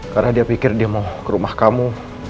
karena dia pikir dia mau ke rumah kamu